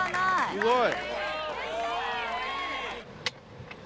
すごい。